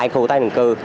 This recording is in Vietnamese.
hai khu tế định cư